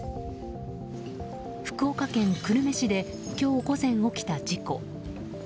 福岡県久留米市で今日午前、起きた事故。